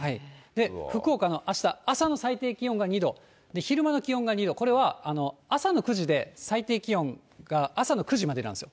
福岡のあした、朝の最低気温が２度、昼間の気温が２度、これは朝の９時で最低気温が朝の９時までなんですよ。